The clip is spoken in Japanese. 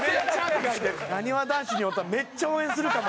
なにわ男子におったらめっちゃ応援するかも。